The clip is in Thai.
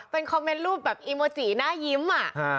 เป็นคอมเมนต์รูปแบบอีโมจิหน้ายิ้มอ่ะ